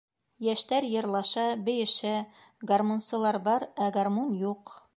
Йәштәр йырлаша, бейешә, гармунсылар бар, ә гармун юҡ.